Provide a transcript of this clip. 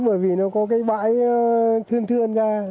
bởi vì nó có cái bãi thương thương ra